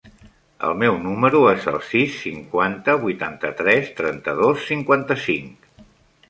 El meu número es el sis, cinquanta, vuitanta-tres, trenta-dos, cinquanta-cinc.